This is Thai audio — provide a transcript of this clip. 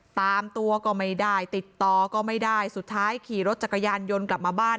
ตามตัวก็ไม่ได้ติดต่อก็ไม่ได้สุดท้ายขี่รถจักรยานยนต์กลับมาบ้าน